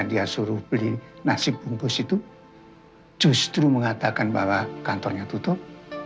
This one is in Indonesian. dia suruh beli nasi bungkus itu justru mengatakan bahwa kantornya tutup